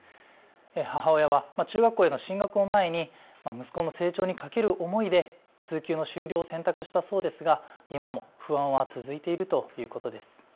母親は中学校への進学を前に息子の成長にかける思いで通級の終了を選択したそうですが今も不安は続いているということです。